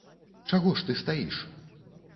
Чаго ж ты стаіш?